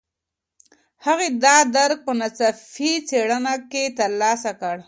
هغې دا درک په ناڅاپي څېړنه کې ترلاسه کړ.